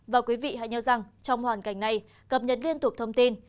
và quý vị hãy nhớ rằng trong hoàn cảnh này cập nhật liên tục thông tin